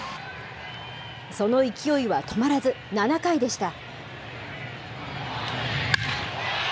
その勢いは止まらず、７回でした。